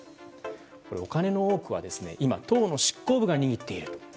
お金の多くは、今党の執行部が握っていると。